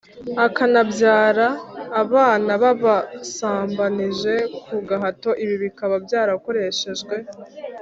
bakanabyara abana b ababasambanije ku gahato Ibi bikaba byarakoreshejwe